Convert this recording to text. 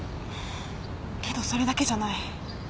けどそれだけじゃない。